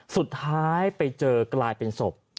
สุดท้ายไปเจอกลายเป็นศพ